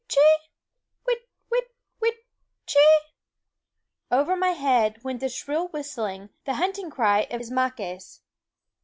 Whit, whit, whit, ctiweeeeee ! over my head went the shrill whistling, the hunting cry of Isma ques.